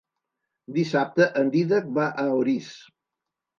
Dissabte en Dídac va a Orís.